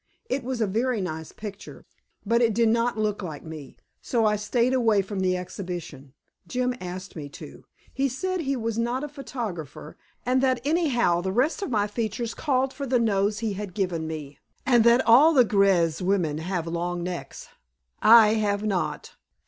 It was a very nice picture, but it did not look like me, so I stayed away from the exhibition. Jim asked me to. He said he was not a photographer, and that anyhow the rest of my features called for the nose he had given me, and that all the Greuze women have long necks. I have not.